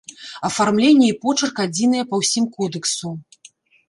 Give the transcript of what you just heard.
Афармленне і почырк адзіныя па ўсім кодэксу.